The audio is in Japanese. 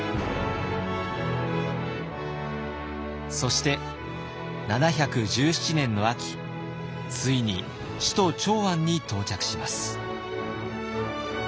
そして７１７年の秋ついに首都長安に到着します。